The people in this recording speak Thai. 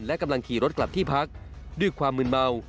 และกำลังขี่รถกลับที่พักด้วยความมืนเมา